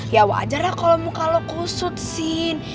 ya wajar lah kalau muka lo kusut sin